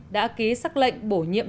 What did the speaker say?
đã ký xác lệnh bổ nhiệm